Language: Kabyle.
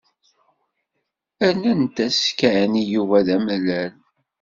Rnant-as Ken i Yuba d amalal.